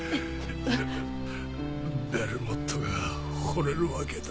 ベルモットがほれるわけだ。